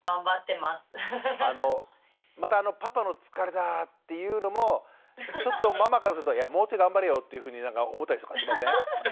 あのまたパパの「疲れた」っていうのもちょっとママからするといやもうちょい頑張れよっていうふうに思ったりとかしません？